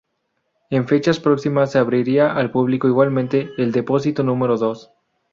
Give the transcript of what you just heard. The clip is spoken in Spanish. En fechas próximas se abrirá al público, igualmente, el depósito número dos.